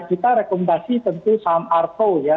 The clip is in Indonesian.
kita rekomendasi tentu saham artho ya